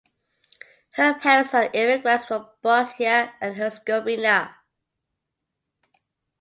Her parents are immigrants from Bosnia and Herzegovina.